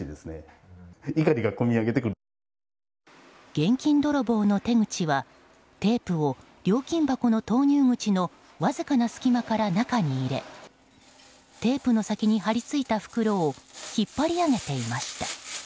現金泥棒の手口はテープを料金箱の投入口のわずかな隙間から中に入れテープの先に貼りついた袋を引っ張り上げていました。